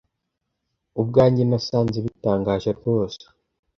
ubwanjye nasanze bitangaje rwose.